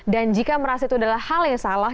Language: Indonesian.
dan jika merasa itu adalah hal yang salah